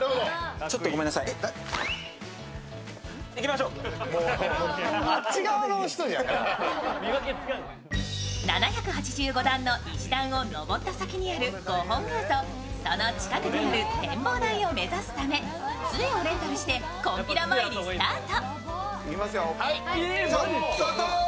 まず１つ目は７８５段の石段を上った先にある御本宮とその近くである展望台を目指すため、つえをレンタルしてこんぴら参りスタート。